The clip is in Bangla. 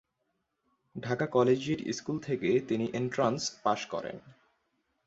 ঢাকা কলেজিয়েট স্কুল থেকে তিনি এন্ট্রান্স পাস করেন।